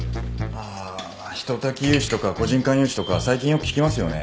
ああひととき融資とか個人間融資とか最近よく聞きますよね。